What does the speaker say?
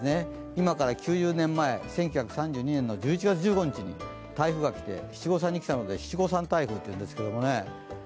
今から９０年前、１９３２年１１月１５日に台風が来て七五三に来たので七五三台風というんですけどね。